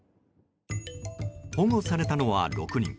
保護されたのは６人。